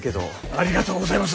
ありがとうございます。